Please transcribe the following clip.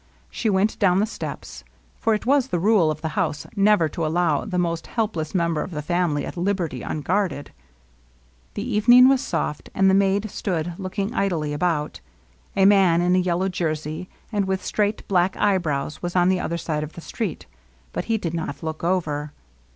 She went down the steps ; for it was the rule of the house never to al low the most helpless member of the family at liberty «ng^ed. T,^ ^^™ .of, J^ rZ stood looking idly about. A man in a yellow jersey, and with straight, black eyebrows, was on the other side of the street ; but he did not look over.